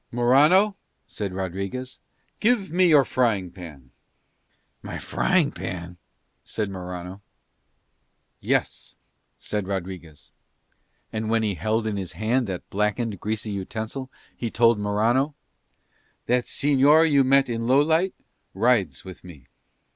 "Morano," said Rodriguez, "give me your frying pan." "My frying pan?" said Morano. "Yes," said Rodriguez. And when he held in his hand that blackened, greasy utensil he told Morano, "That señor you met in Lowlight rides with me."